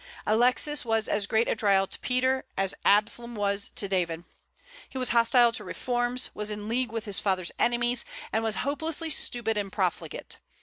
Alexis was as great a trial to Peter as Absalom was to David. He was hostile to reforms, was in league with his father's enemies, and was hopelessly stupid and profligate.